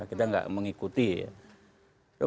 kita gak mengikuti ya